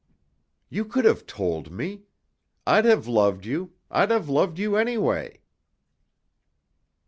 "You could have told me. I'd have loved you, I'd have loved you anyway."